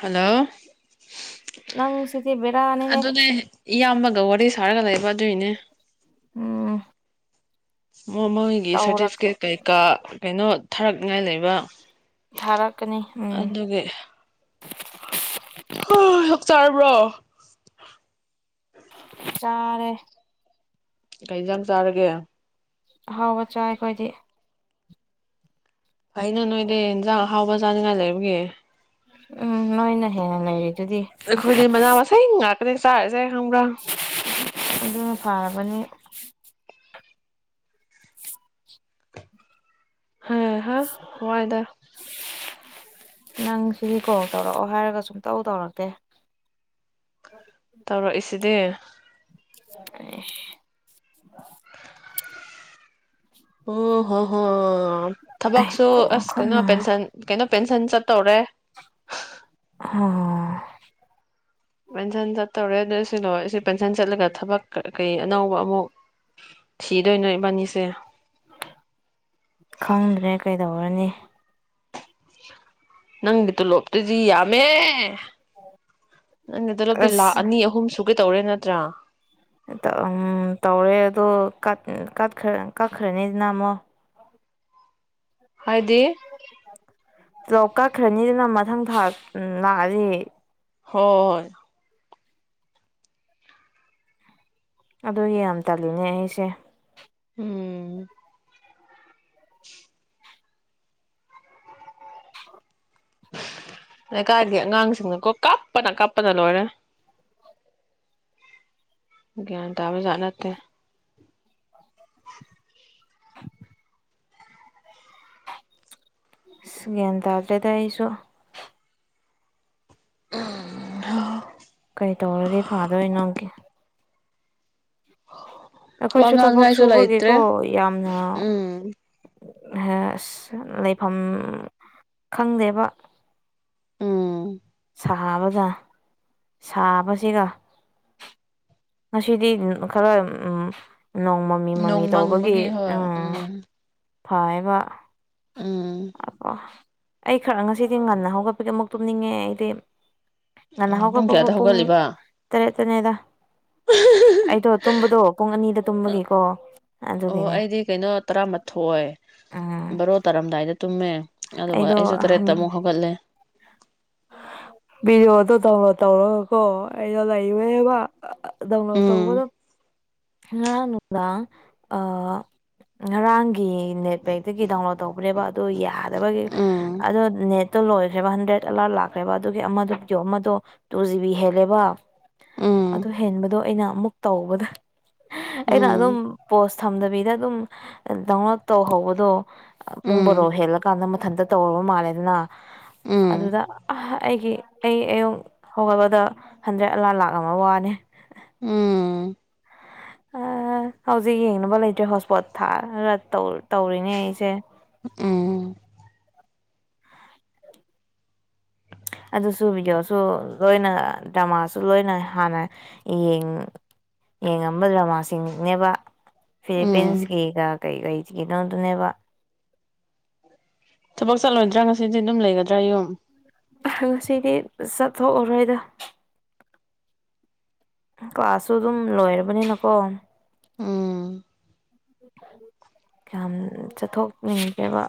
Hello ꯅꯪ ꯁꯤꯗꯤ ꯕꯦꯔꯥꯅꯤꯍꯦ ꯑꯗꯨꯅꯦ ꯏꯌꯥꯝꯕ ꯋꯥꯔꯤ ꯁꯥꯔꯒ ꯂꯩꯕꯖ ꯑꯗꯨꯒꯤꯅꯦ꯫ ꯎꯝ ꯃꯥ ꯃꯣꯏꯒꯤ ꯇꯧꯔꯛ ꯁꯥꯔꯇꯤꯐꯤꯀꯦꯠ ꯀꯩꯀꯥ ꯀꯩꯅꯣ ꯊꯥꯔꯛꯅꯤꯉꯥꯏ ꯂꯩꯕ꯫ ꯊꯥꯔꯛꯀꯅꯤ ꯎꯝ ꯑꯗꯨꯒꯤ [unintelligible] ꯆꯥꯔꯕ꯭ꯔꯣ꯫ ꯆꯥꯔꯦ꯫ ꯀꯩ ꯢꯟꯖꯥꯡ ꯆꯥꯔꯒꯦ꯫ ꯑꯍꯥꯎꯕ ꯆꯥꯏ ꯑꯩꯈꯣꯏꯗꯤ꯫ ꯐꯩꯅꯦ ꯅꯣꯏꯗꯤ ꯌꯦꯟꯖꯥꯡ ꯑꯍꯥꯎꯕ ꯆꯥꯅꯤꯡꯉꯥꯏ ꯂꯩꯕꯒꯤ꯫ ꯎꯝ ꯅꯣꯏꯅ ꯍꯦꯟꯅ ꯂꯩꯔꯤꯗꯨꯗꯤ ꯑꯩꯈꯣꯏꯗꯤ ꯃꯅꯥ ꯃꯁꯤꯡ ꯉꯥꯛꯇꯅꯦ ꯆꯥꯔꯤ ꯑꯗꯨꯅ ꯐꯔꯕꯅꯤ꯫ ꯍꯩ ꯍꯥ ꯋꯥꯏꯗ꯫ ꯅꯪ ꯁꯤꯒꯤ ꯀꯣꯜ ꯇꯧꯔꯛꯑꯣ ꯍꯥꯏꯔꯒ ꯁꯨꯡꯇꯧ ꯇꯧꯔꯛꯇꯦ꯫ ꯇꯧꯔꯛꯏꯁꯤꯗꯤ [unintelligible] ꯑꯣ ꯍꯣ ꯍꯣ ꯊꯕꯛꯁꯨ ꯈꯣꯡ ꯑꯁ ꯀꯩꯅꯣ ꯈꯨꯠꯅ ꯄꯦꯟꯁꯟ ꯀꯩꯅꯣ ꯄꯦꯟꯁꯟ ꯆꯠꯇꯧꯔꯦ꯫ [unintelligible] ꯄꯦꯟꯁꯟ ꯆꯠꯇꯧꯔꯦ ꯑꯗꯨ ꯁꯤ ꯂꯣꯢ ꯁꯤ ꯄꯦꯟꯁꯟ ꯆꯠꯂꯒ ꯊꯕꯛ ꯀꯩ ꯑꯅꯧꯕ ꯑꯃꯨꯛ ꯊꯤꯗꯣꯏꯅꯣ ꯏꯕꯥꯅꯤꯁꯦ꯫ ꯈꯪꯗ꯭ꯔꯦ ꯀꯩꯗꯧꯔꯨꯅꯤ꯫ ꯅꯪꯒꯤ ꯇꯣꯂꯣꯞꯇꯨꯗꯤ ꯌꯥꯃꯦ꯫ ꯅꯪꯒꯤꯗꯨꯗꯗꯤ ꯂꯥ ꯑꯁ ꯑꯅꯤ ꯑꯍꯨꯝ ꯁꯨꯒꯩ ꯇꯧꯔꯦ ꯅꯠꯇ꯭ꯔꯥ꯫ ꯎꯝ ꯇꯧꯔꯦ ꯑꯗꯣ ꯎꯝ ꯀꯛ ꯀꯛ ꯀꯛꯈ꯭ꯔꯅꯤꯗꯅ ꯑꯃꯨꯛ꯫ ꯍꯥꯏꯗꯤ ꯄꯨꯂꯞ ꯀꯛꯈ꯭ꯔꯅꯤꯗꯅ ꯃꯊꯪ ꯊꯥ ꯎꯝ ꯂꯥꯛꯑꯗꯤ꯫ ꯍꯣꯏ ꯍꯣꯏ꯫ ꯑꯗꯣ ꯌꯥꯝ ꯇꯜꯂꯤꯅꯦ ꯑꯩꯁꯦ꯫ ꯎꯝ꯫ ꯂꯩꯀꯥꯏꯒꯤ ꯑꯉꯥꯡꯁꯤꯡꯅꯀꯣ ꯀꯥꯞꯄꯅ ꯀꯥꯞꯄꯅ ꯂꯣꯏꯔꯦ꯫ ꯒꯌꯥꯟ ꯇꯥꯕꯖꯥꯠ ꯅꯠꯇꯦ꯫ ꯑꯁ ꯒ꯭ꯌꯥꯟ ꯇꯥꯗ꯭ꯔꯦꯗ ꯑꯩꯁꯨ ꯎꯝ ꯀꯔꯤ ꯇꯧꯔꯗꯤ ꯐꯥꯗꯣꯏꯅꯣꯒꯤ꯫ ꯋꯥ ꯑꯩꯈꯣꯏꯁꯨ ꯊꯕꯛ ꯉꯥꯡꯉꯥꯏꯁꯨ ꯂꯩꯇ꯭ꯔꯦ ꯁꯨꯕꯒꯤꯀꯣ ꯌꯥꯝꯅ ꯎꯝ ꯑꯍ ꯑꯁ ꯂꯩꯐꯝ ꯈꯪꯗꯦꯕ ꯎꯝ ꯁꯥꯕꯗ ꯁꯥꯕꯁꯤꯒ ꯉꯁꯤꯗꯤ ꯈꯔ ꯎꯝ ꯅꯣꯡ ꯃꯃꯤ ꯃꯃꯤ ꯅꯣꯡ ꯇꯧꯕꯒꯤ ꯃꯪꯕꯒꯤ ꯍꯣꯏ ꯎ ꯎꯝ ꯐꯌꯦꯕ ꯎꯝ ꯑ ꯑꯩ ꯈꯔ ꯉꯁꯤꯗꯤ ꯉꯟꯅ ꯍꯧꯒꯠꯄꯒꯤ ꯑꯃꯨꯛ ꯇꯨꯝꯅꯤꯡꯉꯦ ꯑꯩꯗꯤ ꯉꯟꯅ ꯎꯝ ꯍꯧꯒꯠꯄꯕꯨ ꯀꯌꯥꯗ ꯄꯨꯡ ꯍꯧꯒꯠꯂꯤꯕ ꯇꯔꯦꯠꯇꯅꯦꯗ [unintelligible] ꯑꯩꯗꯣ ꯇꯨꯝꯕꯗꯣ ꯄꯨꯡ ꯑꯅꯤꯗ ꯇꯨꯝꯕꯒꯤꯀꯣ ꯑꯣ ꯑꯗꯨꯒꯤꯅꯦ ꯑꯩꯗꯤ ꯀꯩꯅꯣ ꯇꯔꯥꯃꯊꯣꯏ ꯎꯝ ꯕꯥꯔꯣ ꯇꯥꯔꯝꯗꯥꯏꯗ ꯇꯨꯝꯃꯦ ꯑꯗꯨꯒ ꯑꯩꯗꯣ ꯑꯩꯁꯨ ꯇꯔꯦꯠꯇ ꯑꯃꯨꯛ ꯍꯧꯒꯠꯂꯦ ꯕꯤꯗꯤꯑꯣꯗꯣ ꯗꯥꯎꯟꯂꯣꯗ ꯇꯧꯔꯒꯀꯣ ꯑꯩꯅ ꯂꯩꯕꯅꯦꯕ ꯗꯥꯎꯟꯂꯣꯗ ꯎꯝ ꯇꯧꯕꯗ ꯉꯔꯥꯡ ꯅꯨꯡꯗꯥꯡ ꯉꯔꯥꯡ ꯒꯤ ꯅꯦꯠꯄꯦꯛꯇꯒꯤ ꯗꯥꯎꯟꯂꯣꯗ ꯇꯧꯕꯅꯦꯕ ꯑꯗꯣ ꯌꯥꯗꯕꯒꯤ ꯎꯝ ꯑꯗꯣ ꯅꯦꯠ ꯇ ꯂꯣꯏꯈ꯭ꯔꯦꯕ ꯍꯟꯗ꯭ꯔꯦꯗ ꯑꯦꯂꯥꯔꯠ ꯂꯥꯛꯈ꯭ꯔꯦꯕ ꯑꯗꯨꯒꯤ ꯑꯃꯗꯣ ꯑꯃꯗꯣ ꯇꯨ ꯖꯤ ꯕꯤ ꯍꯦꯜꯂꯦꯕ ꯎꯝ ꯑꯗꯨ ꯍꯦꯟꯕꯗꯣ ꯑꯩꯅ ꯑꯃꯨꯛ ꯇꯧꯕꯗ ꯑꯩꯅ ꯑꯗꯨꯝ ꯎꯝ ꯄꯣꯁ ꯊꯝ ꯗꯕꯤꯗ ꯑꯗꯨꯝ ꯗꯥꯎꯟꯂꯣꯗ ꯇꯧꯍꯧꯕꯗꯣ ꯄꯨꯡ ꯕꯔꯣ ꯎꯝ ꯍꯦꯜꯂꯀꯥꯟꯗ ꯃꯊꯟꯇ ꯇꯧꯔꯕ ꯃꯥꯜꯂꯦꯗꯅ ꯎꯝ ꯑꯗꯨꯗ ꯑꯩꯒꯤ ꯑꯩ ꯑꯌꯨꯛ ꯍꯧꯒꯠꯕꯗꯣ ꯍꯟꯗ꯭ꯔꯦꯠ ꯂꯥ ꯂꯥꯛ ꯑꯃ ꯋꯥꯅꯦ ꯎꯝ [inaudible] ꯍꯧꯖꯤꯛ ꯌꯦꯡꯅꯕ ꯂꯩꯇ꯭ꯔꯦ ꯍꯣꯠꯁꯄꯣꯠ ꯊꯥꯔꯒ ꯇꯧꯔꯤꯅꯦ ꯑꯩꯁꯦ ꯎꯝ ꯑꯗꯨꯁꯨ ꯚꯤꯗꯤꯑꯣꯁꯨ ꯂꯣꯏꯅ ꯗ꯭ꯔꯃꯥꯁꯨ ꯂꯣꯏꯅ ꯍꯥꯟꯅ ꯌꯦꯡ ꯌꯦꯡꯉꯝꯕ ꯗ꯭ꯔꯃꯥꯁꯤꯡꯅꯦꯕ ꯎꯝ ꯐꯤꯂꯤꯄꯤꯟꯁꯒꯤꯒ ꯀꯩ ꯀꯩ ꯀ ꯅꯗꯨꯅꯦꯕ ꯊꯕꯛ ꯆꯠꯂꯣꯏꯗ꯭ꯔꯥ ꯉꯁꯤꯗꯤ ꯑꯗꯨꯝ ꯂꯩꯒꯗ꯭ꯔꯥ ꯌꯨꯝ ꯉꯁꯤꯗꯤ ꯆꯠꯊꯣꯛꯑꯔꯣꯏꯗ ꯀ꯭ꯂꯥꯁꯁꯨ ꯑꯗꯨꯝ ꯂꯣꯏꯔꯕꯅꯤꯅꯀꯣ ꯎꯝ ꯀꯌꯥꯝ ꯆꯠꯊꯣꯛꯅꯤꯡꯒꯦꯕ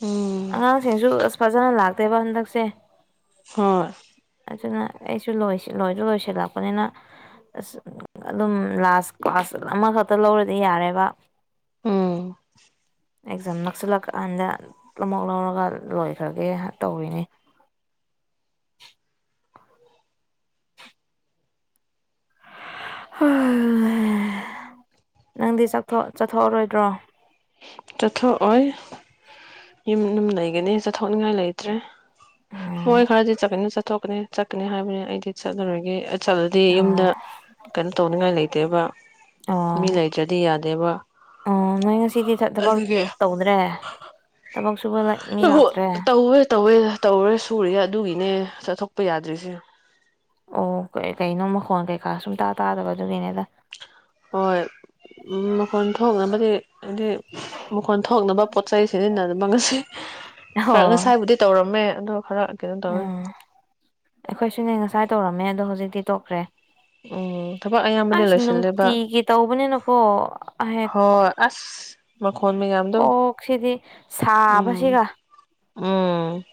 ꯎꯝ ꯑꯉꯥꯡꯁꯤꯡꯁꯨ ꯑꯁ ꯐꯖꯅ ꯂꯥꯛꯇꯦꯕ ꯍꯟꯗꯛꯁꯦ ꯍꯣꯏ ꯑꯗꯨꯅ ꯑꯩꯁꯨ ꯂꯣꯏꯁꯨ ꯂꯣꯏꯁꯤꯜꯂꯛꯄꯅꯤꯅ ꯑꯁ ꯑꯗꯨꯝ ꯂꯥꯁ ꯀ꯭ꯂꯥꯁ ꯑꯃꯈꯛꯇ ꯂꯧꯔꯗꯤ ꯌꯥꯔꯦꯕ ꯎꯝ ꯑꯦꯛꯖꯥꯝ ꯅꯛꯁꯂ ꯀꯥꯟꯗ ꯑꯃꯨꯛ ꯂꯧꯔꯒ ꯂꯣꯏꯈ꯭ꯔꯒꯦ ꯇꯧꯔꯤꯅꯤ [unintelligible] ꯅꯪꯗꯤ ꯆꯠꯊꯣꯛꯑꯔꯣꯏꯗ꯭ꯔꯣ ꯆꯠꯊꯣꯛꯑꯣꯏ ꯌꯨꯝ ꯑꯗꯨꯨꯝ ꯂꯩꯒꯅꯤ ꯆꯠꯊꯣꯛꯅꯤꯡꯉꯥꯏ ꯂꯩꯇ꯭ꯔꯦ ꯎꯝ ꯍꯣꯏ ꯈꯔꯗꯤ ꯆꯠꯀꯅꯤ ꯆꯠꯊꯣꯛꯀꯅꯤ ꯆꯠꯀꯅꯤ ꯍꯥꯏꯕꯅꯤ ꯑꯩꯗꯤ ꯆꯠꯂꯔꯣꯏꯒꯦ ꯆꯠꯂꯗꯤ ꯑꯣ ꯌꯨꯝꯗ ꯀꯩꯅꯣ ꯇꯧꯅꯤꯡꯉꯥꯏ ꯂꯩꯇꯦꯕ ꯑꯣ ꯃꯤ ꯂꯩꯇ꯭ꯔꯗꯤ ꯌꯥꯗꯦꯕ ꯑꯣ ꯅꯣꯏ ꯉꯁꯤꯗꯤ ꯊꯕꯛ ꯑꯗꯨꯒꯤ ꯇꯧꯗ꯭ꯔꯦ ꯁꯨꯕ ꯃꯤ ꯂꯥꯛꯇ꯭ꯔꯦ ꯇꯧꯋꯦ ꯇꯧꯋꯦ ꯇꯧꯔꯦ ꯁꯨꯔꯦ ꯑꯗꯨꯒꯤꯅꯦ ꯆꯠꯊꯣꯛꯄ ꯌꯥꯗ꯭ꯔꯤꯁꯦ ꯑꯣ ꯀ ꯀꯩꯅꯣ ꯃꯈꯣꯟ ꯀꯩꯀꯥ ꯁꯨꯝꯇꯥ ꯇꯥꯗꯕꯗꯨꯒꯤꯅꯦꯗ ꯍꯣꯏ ꯃꯈꯣꯟ ꯊꯣꯛꯅꯕꯗꯤ ꯍꯥꯏꯗꯤ ꯃꯈꯣꯟ ꯊꯣꯛꯅꯕ ꯄꯣꯠ ꯆꯩ ꯁꯤꯖꯤꯟꯅꯗꯕ ꯉꯁꯤ ꯐꯔ ꯑꯣ ꯉꯁꯥꯏꯕꯨꯗꯤ ꯇꯧꯔꯝꯃꯦ ꯑꯗꯣ ꯈꯔ ꯀꯩꯅꯣ ꯇꯧꯋꯦ ꯎꯝ ꯑꯩꯈꯣꯏꯁꯨꯅꯦ ꯉꯁꯥꯏ ꯇꯧꯔꯝꯃꯦ ꯑꯗꯣ ꯍꯧꯖꯤꯛꯇꯤ ꯇꯣꯛꯈ꯭ꯔꯦ ꯎꯝ ꯊꯕꯛ ꯑꯌꯥꯝꯕꯗꯤ ꯑꯁ ꯂꯣꯏꯁꯤꯜꯂꯦꯕ ꯅꯨꯡꯇꯤꯒꯤ ꯇꯧꯕꯅꯤꯅꯀꯣ ꯍꯍꯦꯛ ꯍꯣꯏ ꯑꯁ ꯃꯈꯣꯟ ꯃꯌꯥꯝꯗꯣ ꯀꯣꯛꯁꯤꯗꯤ ꯎꯝ ꯁꯥꯕꯁꯤꯒ ꯎꯝ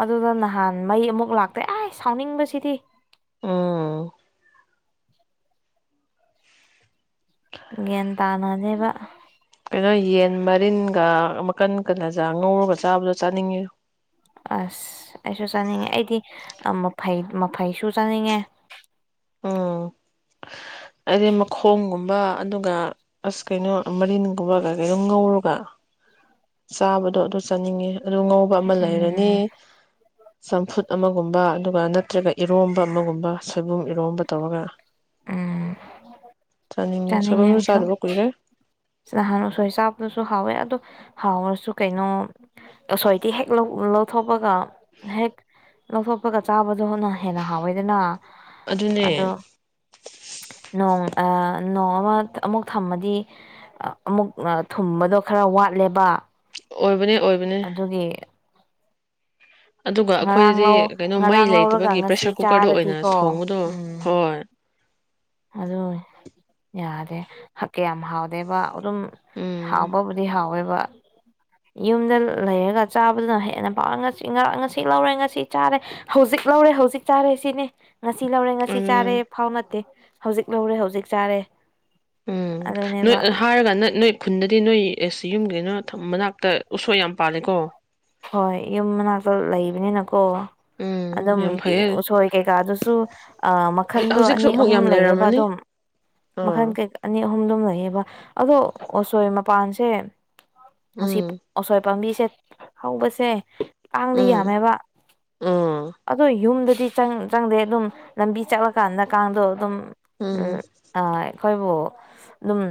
ꯑꯗꯨꯗ ꯅꯍꯥꯟ ꯃꯩ ꯑꯃꯨꯛ ꯂꯥꯛꯇ꯭ꯔꯦ ꯑ ꯁꯥꯎꯅꯤꯡꯕꯁꯤꯗꯤ ꯎꯝ ꯒꯦꯟ ꯇꯥꯅꯗꯦꯕ ꯅꯣꯏ ꯌꯦꯟ ꯃꯔꯤꯟꯒ ꯃꯈꯟꯀꯂꯦꯖꯔ ꯉꯧꯔꯒ ꯆꯥꯕꯗꯣ ꯆꯥꯅꯤꯡꯉꯦꯌꯣ ꯑꯁ ꯑꯩꯁꯨ ꯆꯥꯅꯤꯡꯉꯦ ꯑꯩꯗꯤ ꯑ ꯃꯐꯩꯁꯨ ꯆꯥꯅꯤꯡꯉꯦ ꯎꯝ ꯑꯩꯗꯤ ꯃꯈꯣꯡꯒꯨꯝ ꯕ ꯑꯗꯨꯒ ꯑꯁ ꯀꯩꯅꯣ ꯃꯔꯤꯟꯒꯨꯝꯕ ꯀꯩꯀꯩ ꯑꯗꯨꯝ ꯉꯧꯔꯒ ꯆꯥꯕꯗꯣ ꯑꯗꯨ ꯆꯥꯅꯤꯡꯉꯤ ꯑꯗꯨ ꯉꯧꯕ ꯑꯃ ꯂꯩꯔꯅꯤ ꯎꯝ ꯆꯝꯐꯨꯠ ꯑꯃꯒꯨꯝꯕ ꯑꯗꯨꯒ ꯅꯠꯇ꯭ꯔꯒ ꯏꯔꯣꯝꯕ ꯑꯃꯒꯨꯝꯕ ꯁꯣꯏꯕꯨꯝ ꯏꯔꯣꯝꯕ ꯇꯧꯔꯒ ꯎꯝ ꯆꯥꯅꯤꯡꯉꯦ ꯆꯅꯤꯡꯢ ꯁꯣꯏꯕꯨꯝꯁꯨ ꯑꯩꯁꯨ ꯆꯥꯗꯕ ꯀꯨꯏꯔꯦ ꯅꯍꯥꯟ ꯎꯁꯣꯏ ꯆꯥꯕꯗꯨꯁꯨ ꯍꯥꯎꯌꯦ ꯑꯗꯣ ꯍꯥꯎꯔꯁꯨ ꯀꯩꯅꯣ ꯑꯨꯁꯣꯏꯗꯤ ꯍꯦꯛ ꯂꯧꯊꯣꯛꯄꯒ ꯍꯦꯛ ꯂꯧꯊꯣꯛꯄꯒ ꯆꯥꯕꯗꯨꯅ ꯍꯦꯟꯅ ꯍꯥꯎꯑꯦꯗꯅ ꯑꯗꯨꯅꯦ ꯑꯗꯣ ꯅꯣꯡ ꯑ ꯅꯣꯡꯑꯃ ꯑꯃꯨꯛ ꯊꯝꯃꯗꯤ ꯑꯃꯨꯛ ꯊꯨꯝꯕꯗꯣ ꯈꯔ ꯋꯥꯠꯂꯦꯕ ꯑꯣꯏꯕꯅꯤ ꯑꯗꯨꯒꯤ ꯑꯗꯨꯒ ꯉꯔꯥꯡ ꯑꯩꯈꯣꯏꯗꯗꯤ ꯂꯧ ꯀꯩꯅꯣ ꯃꯩ ꯉꯔꯥꯡ ꯂꯧꯔꯒ ꯂꯩꯇꯕꯒꯤ ꯉꯁꯤ ꯄ꯭ꯔꯦꯁꯔ ꯀꯨꯀꯔꯗ ꯑꯣꯏꯅ ꯆꯥꯔꯗꯤꯀꯣ ꯊꯣꯡꯕꯗꯣ ꯎꯝ ꯍꯣꯏ ꯑꯗꯨ ꯌꯥꯗꯦ ꯍꯛ ꯀꯌꯥꯝ ꯍꯥꯎꯗꯦꯕ ꯑꯗꯨꯝ ꯎꯝ ꯍꯥꯎꯕꯕꯨꯗꯤ ꯍꯥꯎꯑꯦꯕ ꯌꯨꯝꯗ ꯂꯩꯔꯒ ꯆꯥꯕꯗꯨꯅ ꯍꯦꯟꯅ ꯄꯥꯁꯤꯥꯡ ꯉꯁꯤ ꯂꯧꯔꯦ ꯉꯁꯤ ꯆꯥꯔꯦ ꯍꯧꯖꯤꯛ ꯂꯧꯔꯦ ꯍꯧꯖꯤꯛ ꯆꯥꯔꯦ ꯁꯤꯅꯤ ꯉꯁꯤ ꯂꯧꯔꯦ ꯉꯁꯤ ꯆꯥꯔꯦ ꯎꯝ ꯐꯥꯎ ꯅꯠꯇꯦ ꯍꯧꯖꯤꯛ ꯂꯧꯔꯦ ꯍꯧꯖꯤꯛ ꯆꯥꯔꯦ ꯎꯝ ꯅꯣꯏ ꯑꯗꯨꯅꯦꯕ ꯍꯥꯏꯔꯒ ꯅ ꯅꯣꯏ ꯈꯨꯟꯗꯗꯤ ꯅꯣꯏ ꯑꯦꯁ ꯌꯨꯝꯒꯩꯅꯣ ꯃꯅꯥꯛꯇ ꯎꯁꯣꯏ ꯌꯥꯝ ꯄꯥꯜꯂꯦꯀꯣ ꯍꯣꯏ ꯌꯨꯝ ꯃꯅꯥꯛꯇ ꯂꯩꯕꯅꯤꯅꯀꯣ ꯎꯝ ꯑꯗꯨꯝ ꯌꯥꯝ ꯐꯩꯌꯦ ꯎꯁꯣꯏ ꯀꯩꯀꯥꯗꯨꯁꯨ ꯃꯈꯟꯗꯣ ꯍꯧꯖꯤꯛꯁꯨ ꯑꯅꯤ ꯑꯃꯨꯛ ꯑꯍꯨꯝ ꯌꯥꯝ ꯂꯩꯌꯦꯕ ꯂꯩꯔꯝꯃꯅꯤ ꯑꯗꯨꯝ ꯑꯥ ꯃꯈꯜ ꯀꯩ ꯑꯅꯤ ꯑꯍꯨꯝ ꯑꯗꯨꯝ ꯂꯩ ꯑꯗꯣꯑꯣꯁꯣꯏ ꯃꯄꯥꯟꯁꯦ ꯎꯝ ꯑꯣꯁꯣꯏ ꯄꯥꯝꯕꯤꯁꯦ ꯍꯧꯕꯁꯦ ꯀꯥꯡꯗꯤ ꯎꯝ ꯌꯥꯝꯃꯦꯕ ꯎꯝ ꯑꯗꯣ ꯌꯨꯝꯗ ꯁꯤ ꯆꯪꯗꯦ ꯑꯗꯨꯝ ꯂꯝꯕꯤ ꯆꯠꯂꯀꯥꯟꯗ ꯀꯥꯡꯗꯣ ꯑꯗꯨꯝ ꯎꯝ ꯑ ꯑꯩꯈꯣꯏꯕꯨ ꯑꯗꯨꯝ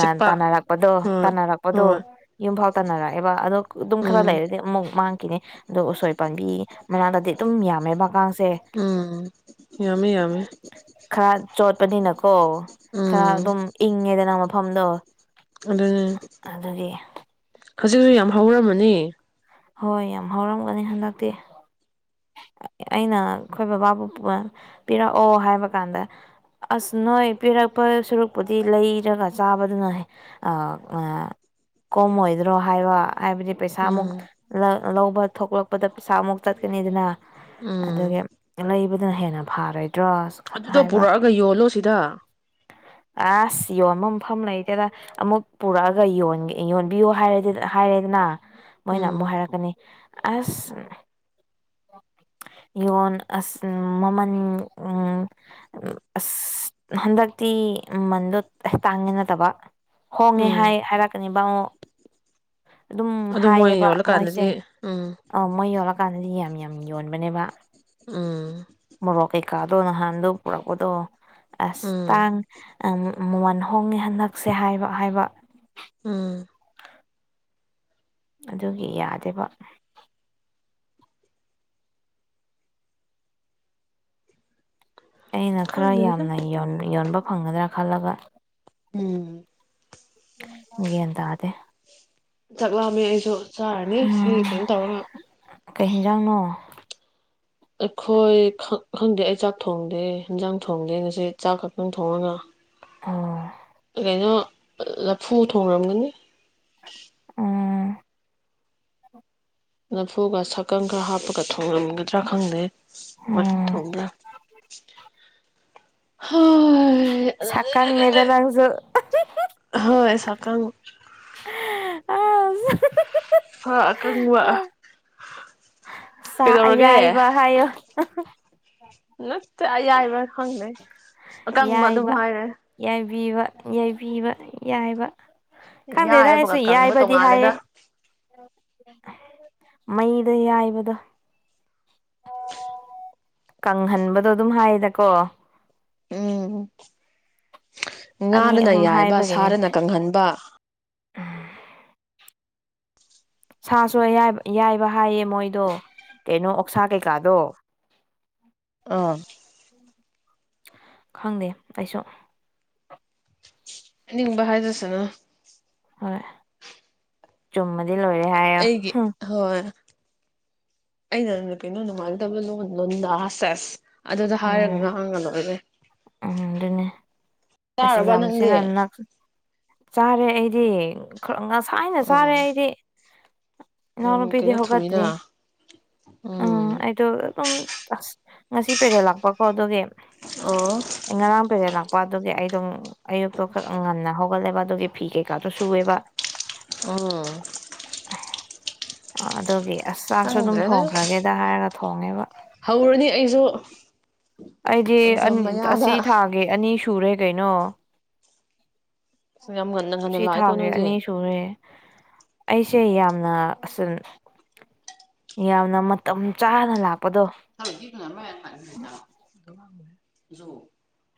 ꯆꯤꯛꯄ ꯇꯥꯟꯅꯔꯛꯄꯗꯣ ꯍꯣꯏ ꯇꯥꯟꯅꯔꯛꯄꯗꯣ ꯍꯣꯏ ꯌꯨꯝꯐꯥꯎ ꯇꯥꯟꯅꯔꯛꯑꯦꯕ ꯑꯗꯣ ꯑꯗꯨꯝ ꯈꯔ ꯎꯝ ꯂꯩꯔꯗꯤ ꯑꯃꯨꯛ ꯃꯥꯡꯈꯤꯅꯤ ꯑꯗꯣ ꯎꯁꯣꯏ ꯄꯥꯝꯕꯤ ꯃꯅꯥꯗꯗꯤ ꯑꯗꯨꯝ ꯌꯥꯝꯃꯦꯕ ꯁꯦ ꯎꯝ ꯌꯥꯝꯃꯦ ꯌꯥꯝꯃꯦ ꯈꯔ ꯆꯣꯠꯄꯅꯤꯅꯀꯣ ꯀꯣ ꯈꯔ ꯎꯝ ꯑꯗꯨꯝ ꯏꯪꯉꯦꯗꯅ ꯃꯐꯝꯗꯣ ꯑꯗꯨꯅꯦ ꯑꯗꯨꯒꯤ ꯍꯧꯖꯤꯛꯁꯨ ꯌꯥꯝ ꯍꯧꯔꯝꯃꯅꯤ ꯍꯣꯏ ꯌꯥꯝ ꯍꯧꯔꯝꯒꯅꯤ ꯍꯟꯗꯛꯇꯤ ꯑꯩꯅ ꯑꯩꯈꯣꯏ ꯕꯕꯥꯕꯨ ꯄꯤꯔꯛꯑꯣ ꯍꯥꯏꯕ ꯀꯥꯟꯗ ꯑꯁ ꯅꯣꯏ ꯄꯤꯔꯛꯄ ꯁꯨꯔꯨꯛꯄꯨꯗꯤ ꯂꯩꯔꯒ ꯆꯥꯕꯗꯨꯅ ꯑ ꯀꯣꯝꯃꯣꯏꯗ꯭ꯔꯣ ꯍꯥꯏꯕ ꯍꯥꯏꯕꯗꯤ ꯄꯩꯁꯥ ꯑꯃꯨꯛ ꯎꯝ ꯂꯧꯕ ꯊꯣꯛꯂꯛꯄꯗ ꯄꯩꯁꯥ ꯑꯃꯨꯛ ꯆꯠꯀꯅꯤꯗꯅ ꯎꯝ ꯑꯗꯨꯒꯤ ꯂꯩꯕꯗꯨꯅ ꯍꯦꯟꯅ ꯐꯔꯣꯏꯗ꯭ꯔꯣ ꯑꯗꯨꯗꯣ ꯍꯥꯏꯕ ꯄꯨꯔꯛꯑꯒ ꯌꯣꯜꯂꯣ ꯁꯤꯗ [unintelligible] ꯑꯁ ꯌꯣꯟꯕ ꯃꯐꯝ ꯂꯩꯇꯦꯗ ꯑꯃꯨꯛ ꯄꯨꯔꯛꯑꯒ ꯌꯣꯟꯕꯤꯌꯨ ꯍꯥꯏꯔꯗꯤ ꯍꯥꯏꯔꯦꯗꯅ ꯃꯣꯏꯅ ꯎꯝ ꯑꯃꯨꯛ ꯍꯥꯏꯔꯛꯀꯅꯤ ꯑꯁ [inaudible] ꯌꯣꯟ ꯑꯁ ꯃꯃꯜ ꯎꯝ ꯑꯁ ꯍꯟꯗꯛ ꯇꯤ ꯃꯃꯟꯗꯣ ꯑ ꯇꯥꯡꯉꯦ ꯅꯠꯇꯕ ꯍꯣꯡꯉꯦ ꯎꯝ ꯍꯥꯏ ꯍꯥꯏꯔꯛꯀꯅꯤ [unintelligible] ꯑꯗꯨꯝ ꯑꯗꯨ ꯃꯣꯏ ꯍꯥꯏꯌꯦꯕ ꯃꯣꯏꯁꯦ ꯌꯣꯜꯂꯀꯥꯟꯗꯗꯤ ꯎꯝ ꯑ ꯃꯣꯏ ꯌꯣꯜꯂꯀꯥꯟꯗꯗꯤ ꯌꯥꯝ ꯌꯥꯝ ꯎꯝ ꯌꯣꯟꯕꯅꯦꯕ ꯎꯝ ꯃꯣꯔꯣꯛ ꯀꯩꯀꯥꯗꯣ ꯅꯍꯥꯟꯗꯣ ꯄꯨꯔꯛꯄꯗꯣ ꯑꯁ ꯎꯝ ꯇꯥꯡ ꯑ ꯃꯃꯟ ꯍꯣꯡꯉꯦ ꯍꯟꯗꯛꯁꯦ ꯍꯥꯏꯕ ꯍꯥꯏꯕ ꯎꯝ ꯑꯗꯨꯒꯤ ꯌꯥꯗꯕ ꯑꯩꯅ ꯈꯔ ꯈꯪꯗ꯭ꯔꯦꯗ ꯌꯥꯝꯅ ꯌꯣꯟꯕ ꯌꯣꯟꯕ ꯐꯪꯒꯗ꯭ꯔꯥ ꯈꯜꯂꯒ ꯎꯝ ꯃꯦꯟ ꯇꯥꯗꯦ ꯆꯥꯛ ꯂꯥꯝꯃꯦ ꯑꯩꯁꯨ ꯆꯥꯔꯅꯤ ꯁꯤ ꯎꯝ ꯀꯩꯅꯣ ꯇꯧꯔꯒ ꯀꯩ ꯌꯦꯟꯖꯥꯡꯅꯣ ꯑꯩꯈꯣꯏ ꯈꯛ ꯈꯪꯗꯦ ꯑꯩ ꯆꯥꯛ ꯊꯣꯡꯗꯦ ꯑꯦꯟꯖꯥꯡ ꯊꯣꯡꯗꯦ ꯉꯁꯤ ꯆꯥꯛ ꯈꯛꯇꯪ ꯊꯣꯡꯉꯒ ꯑꯣ ꯀꯩꯅꯣ ꯂꯐꯨ ꯊꯣꯡꯔꯝꯒꯅꯤ ꯎꯝ ꯂꯐꯨꯒ ꯁꯥꯀꯪ ꯈꯔ ꯍꯥꯞꯄꯒ ꯊꯣꯉꯝꯒꯗ꯭ꯔꯥ ꯈꯪꯗꯦ ꯋꯥꯛꯀꯤꯡ ꯎꯝ ꯊꯣꯛ ꯁꯛꯀꯪꯅꯦꯗ ꯅꯪꯁꯨ [unintelligible] ꯍꯥ [unintelligible] ꯍꯣꯏ ꯁꯥꯀꯪ ꯑꯁ ꯁꯥ ꯑꯀꯪꯕ ꯁꯥ ꯀꯩꯗꯧꯔꯒꯦ ꯑꯌꯥꯏꯕ ꯍꯥꯏꯌꯣ ꯅꯠꯇꯦ ꯑꯌꯥꯏꯕ ꯈꯪꯅꯩ ꯑꯀꯪꯕ ꯑꯗꯨꯝ ꯍꯥꯏꯔꯦ ꯕꯤꯕ ꯌꯩꯕꯤꯕ ꯌꯥꯏꯕ ꯈꯪꯗꯦꯗ ꯌꯥꯏꯕꯒ ꯑꯩꯁꯨꯨ ꯀꯪꯕ ꯌꯥꯏꯕꯗꯤ ꯍꯥꯏꯌꯦ ꯇꯣꯡꯉꯥꯜꯂꯦꯗ ꯃꯩꯗ ꯌꯥꯏꯕꯗꯣ ꯀꯪꯍꯟꯕꯗꯣ ꯑꯗꯨꯝ ꯍꯥꯏꯌꯦꯗꯀꯣ ꯎꯝ ꯑꯅꯤ ꯉꯥꯗꯅ ꯑꯍꯨꯝ ꯌꯥꯏꯕ ꯍꯥꯏꯕꯒꯤꯅꯦ ꯁꯥꯗꯅ ꯀꯪꯍꯟꯕ ꯁꯥꯁꯨ ꯑꯌꯥꯏ ꯌꯥꯏꯕ ꯍꯥꯏꯌꯦ ꯃꯣꯏꯗꯣ ꯀꯩꯅꯣ ꯑꯣꯛꯁꯥ ꯀꯩꯀꯥꯗꯣ ꯑꯥ ꯈꯪꯗꯦ ꯑꯩꯁꯨ ꯍꯥꯏꯅꯤꯡꯕ ꯍꯥꯏꯖꯁꯅꯨ ꯍꯣꯏ ꯆꯨꯝꯃꯗꯤ ꯂꯣꯏꯔꯦ ꯍꯥꯏꯌꯣ ꯑꯩꯒꯤ ꯍꯣꯏ ꯑꯩꯅ [unintelligible] ꯂꯣꯟꯗꯥ ꯁꯦꯁ ꯑꯗꯨꯗ ꯍꯥꯏꯔꯒ ꯎꯝ ꯉꯥꯡꯉ ꯂꯣꯏꯔꯦ ꯎꯝ ꯑꯗꯨꯅꯦ ꯑꯁ ꯇꯥꯔꯕ ꯅꯪꯗꯤ ꯑꯦꯖꯝꯁꯤꯅ ꯅꯛ ꯆꯥꯔꯦ ꯑꯩꯗꯤ ꯈ ꯉꯁꯥꯏꯅ ꯆꯥꯔꯦ ꯎꯝ ꯑꯩꯗꯤ ꯌꯥꯝ ꯀꯩꯅꯣ ꯏꯅꯥꯎꯅꯨꯄꯤꯗꯤ ꯊꯨꯏꯅ ꯍꯧꯒꯠꯇ꯭ꯔꯤ ꯎꯝ ꯑꯩꯗꯣ ꯑꯗꯨꯝ ꯑꯁ ꯉꯁꯤ ꯄꯦꯔꯗ ꯂꯥꯛꯄꯀꯣ ꯑꯗꯨꯒꯤ ꯑꯣ [unintelligible] ꯄꯦꯔꯗ [unintelligible] ꯄꯥꯗꯨꯒꯤ ꯑꯩ ꯗꯣ ꯑꯌꯨꯛꯇꯣ ꯈꯔ ꯉꯟꯅ ꯍꯧꯒꯠꯂꯦꯕ ꯑꯗꯨꯒꯤ ꯐꯤ ꯀꯩꯀꯥꯗꯣ ꯁꯨꯏꯑꯦꯕ ꯎꯝ ꯑꯗꯨꯒꯤ ꯑꯁ ꯆꯥꯛꯁꯨ ꯑꯗꯨꯝ ꯈꯪꯗ꯭ꯔꯦꯗ ꯊꯣꯡꯈ꯭ꯔꯒꯦꯗ ꯍꯥꯏꯔꯒ ꯊꯣꯡꯉꯦꯕ ꯍꯧꯔꯅꯤ ꯑꯩꯁꯨ ꯑꯩꯗꯤ ꯑꯟ ꯑꯦꯛꯖꯥꯝ ꯃꯌꯥꯗ ꯑꯁꯤ ꯊꯥꯒꯤ ꯑꯅꯤ ꯁꯨꯔꯦ ꯀꯩꯅꯣ ꯌꯥꯝ ꯉꯟꯅ ꯉꯟꯅ ꯁꯤ ꯂꯥꯛꯑꯦꯀꯣ ꯊꯥꯒꯤ ꯅꯣꯏꯗꯤ ꯑꯅꯤ ꯁꯨꯔꯦ ꯑꯩꯁꯦ ꯌꯥꯝꯅ ꯑꯁꯨꯟ ꯌꯥꯝꯅ ꯃꯇꯝ ꯆꯥꯅ ꯂꯥꯛꯄꯗꯣ [unintelligible]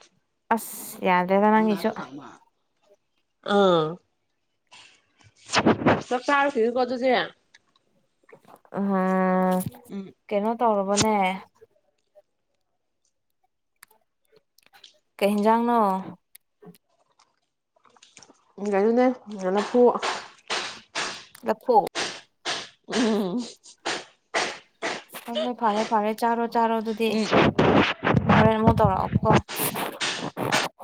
ꯑꯁ ꯌꯥꯗ꯭ꯔꯦꯗ ꯅꯪꯒꯤꯁꯨ ꯑꯥ ꯆꯥꯛ ꯆꯥꯔ [unintelligible] ꯑꯗꯨꯗꯤ ꯎꯝ ꯀꯩꯅꯣ ꯇꯧꯔꯕꯅꯦ ꯀꯩ ꯍꯤꯟꯖꯥꯡꯅꯣ ꯀꯩꯅ‌ꯣꯅ‌ꯦ ꯂꯐꯨ ꯂꯐꯨ ꯎꯡ ꯍꯣꯏ ꯍꯣꯏ ꯐꯔꯦ ꯐꯔꯦ ꯆꯥꯔꯣ ꯆꯥꯔꯣ ꯑꯗꯨꯗꯤ ꯎꯝ ꯍꯣꯔꯦꯟ ꯑꯃꯨꯛ ꯇꯧꯔꯛꯑꯣ ꯀ‌ꯣ